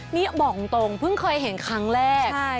นี่บอกตรงเพิ่งเคยเห็นครั้งแรก